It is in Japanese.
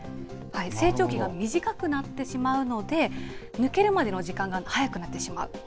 成長期が短くなってしまうので、抜けるまでの時間が早くなってしまう。